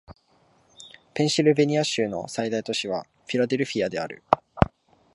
ペンシルベニア州の最大都市はフィラデルフィアである